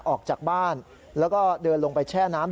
ออกจากบ้านแล้วก็เดินลงไปแช่น้ำ